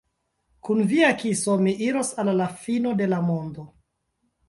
Kun via kiso mi iros al la fino de la mondo!